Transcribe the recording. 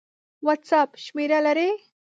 وټس اپ شمېره لرئ؟